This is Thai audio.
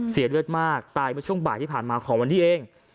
เสียเลือดมากตายเมื่อช่วงบ่ายที่ผ่านมาของวันนี้เอง